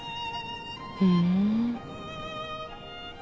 ふん。